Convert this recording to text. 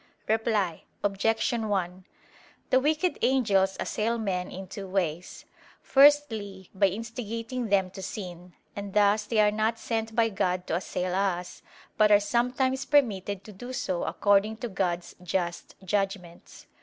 Reply Obj. 1: The wicked angels assail men in two ways. Firstly by instigating them to sin; and thus they are not sent by God to assail us, but are sometimes permitted to do so according to God's just judgments.